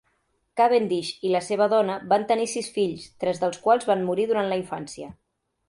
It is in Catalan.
Cavendish i la seva dona van tenir sis fills, tres dels quals van morir durant la infància.